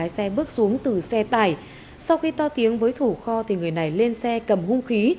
xe bước xuống từ xe tải sau khi to tiếng với thủ kho người này lên xe cầm hung khí